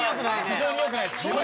非常に良くないです。